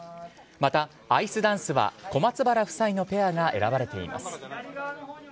またアイスダンスは小松原夫妻のペアが選ばれています。